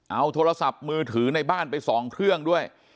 เอาโทรศัพท์มือถือในบ้านไป๒เครื่องด้วย